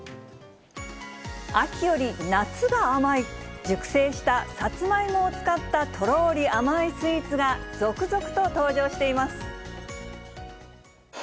秋より夏が甘い、熟成したサツマイモを使った、とろーり甘いスイーツが続々と登場しています。